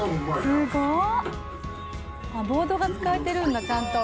ボードが使えてるんだちゃんと。